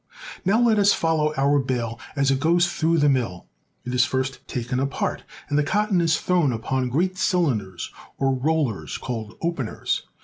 ^ Now let us follow our bale as it goes through the mill. It is first taken apart, and the cotton is thrown upon great cylinders or rollers called openers.